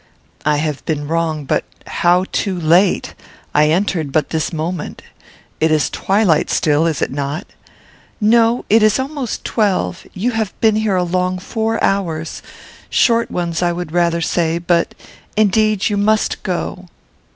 "I have been wrong; but how too late? I entered but this moment. It is twilight still; is it not?" "No: it is almost twelve. You have been here a long four hours; short ones I would rather say, but indeed you must go."